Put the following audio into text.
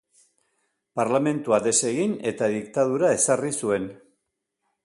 Parlamentua desegin eta diktadura ezarri zuen.